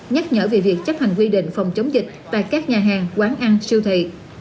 nhắc nhở về việc chấp hành quy định phòng chống dịch tại các nhà hàng quán ăn siêu thị